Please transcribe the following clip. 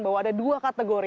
bahwa ada dua kategori